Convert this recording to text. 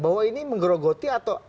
bahwa ini menggerogoti atau